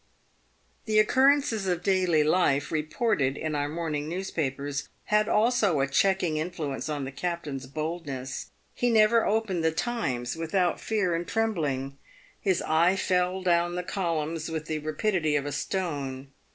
The occurrences of daily life reported in our morning newspapers had also a checking influence on the captain's boldness. He never opened the Times without fear and trembling. His eye fell down the columns with the rapidity of a stone.